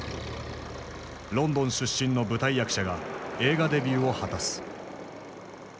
ロンドン出身の舞台役者が映画デビューを果たす。